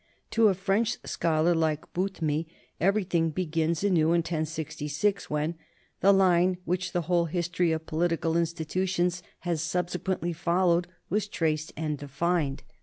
To a French scholar like Boutmy everything begins anew in 1066, when ''the line which the whole history of political institutions has subsequently followed was traced and defined."